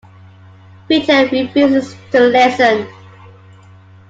Peter refuses to listen.